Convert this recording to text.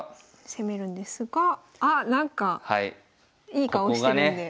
攻めるんですがあなんかいい顔してるんで。